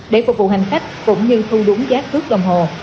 để phục vụ hành khách cũng như thu đúng giá cước đồng hồ